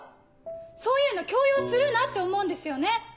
そういうの強要するなって思うんですよね。